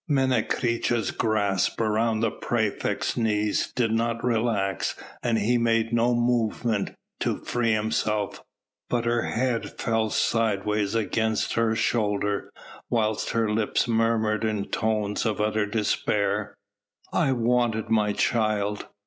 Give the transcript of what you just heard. Menecreta's grasp round the praefect's knees did not relax and he made no movement to free himself, but her head fell sideways against her shoulder whilst her lips murmured in tones of utter despair: "I wanted my child."